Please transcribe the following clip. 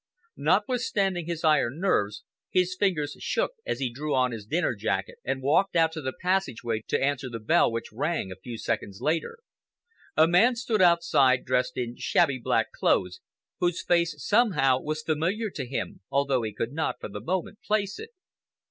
Notwithstanding his iron nerves, his fingers shook as he drew on his dinner jacket and walked out to the passageway to answer the bell which rang a few seconds later. A man stood outside, dressed in shabby black clothes, whose face somehow was familiar to him, although he could not, for the moment, place it.